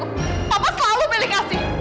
papa selalu pilih kasih